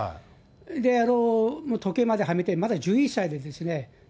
それで時計まではめて、まだ１１歳でですね。